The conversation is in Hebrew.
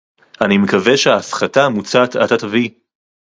אני מקווה שההפחתה המוצעת עתה תביא